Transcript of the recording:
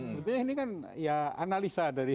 sebetulnya ini kan analisa